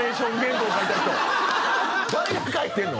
誰が書いてんの？